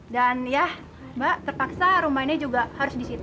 dan ya mbak terpaksa rumah ini juga harus disita